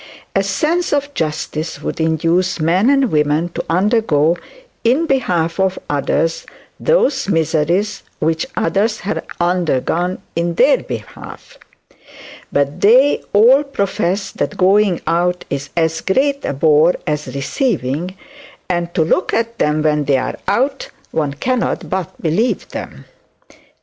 A sense of justice would induce men and women to undergo, in behalf of others, those miseries which others had undergone on their behalf. But they all profess that going out is as great a bore as receiving; and to look at them when they are out, one cannot but believe them.